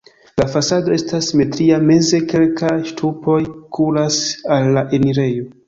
La fasado estas simetria, meze kelkaj ŝtupoj kuras al la enirejo.